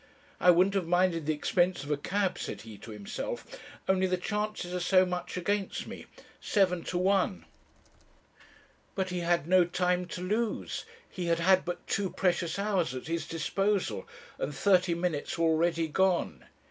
'I wouldn't have minded the expense of a cab,' said he to himself, 'only the chances are so much against me: seven to one!' "But he had no time to lose. He had had but two precious hours at his disposal, and thirty minutes were already gone.